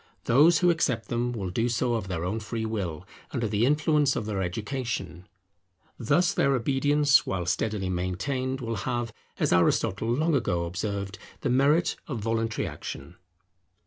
Those who accept them will do so of their own free will, under the influence of their education. Thus their obedience, while steadily maintained, will have, as Aristotle long ago observed, the merit of voluntary action.